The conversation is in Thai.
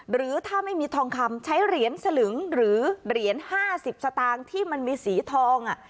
หรือถ้าไม่มีทองคำใช้เหรียญสลึงหรือเหรียญ๕๐สตางค์ที่มันมีสีทอง